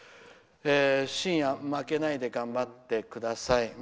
しんや、負けないで頑張ってください。